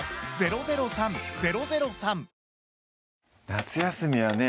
夏休みはね